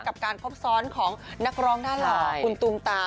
กับการครบซ้อนของนักร้องหน้าหล่อคุณตูมตา